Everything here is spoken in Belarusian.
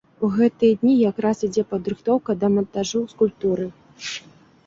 У гэтыя дні якраз ідзе падрыхтоўка да мантажу скульптуры.